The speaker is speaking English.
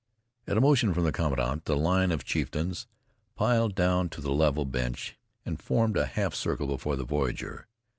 At a motion from the commandant, the line of chieftains piled down to the level bench and formed a half circle before the voyager.